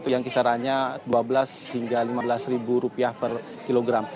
yang kisarannya rp dua belas hingga lima belas per kilogram